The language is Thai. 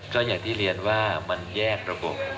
ก็อย่างที่เรียนว่ามันแยกระบบ